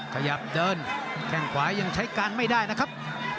ขยับเดินแข้งขวายังใช้การไม่ได้นะครับ